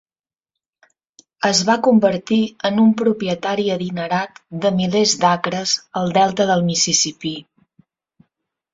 Es va convertir en un propietari adinerat de milers d'acres al delta del Mississipí.